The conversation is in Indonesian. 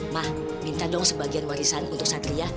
mah minta dong sebagian warisan untuk satria